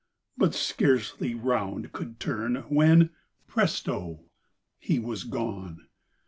but scarcely round could turn When, presto! he was gone.